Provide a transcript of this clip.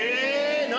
何？